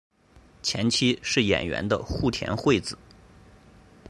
前妻是演员的户田惠子。